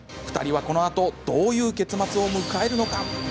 ２人はこのあとどういう結末を迎えるのか？